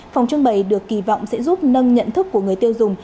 phòng trưng bày được kỳ vọng sẽ giúp nâng nhận thức của người tiêu dùng